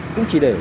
cung chỉ để